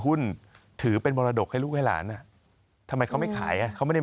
ก็ถือมันทรัพคศศิลป์ไปเลย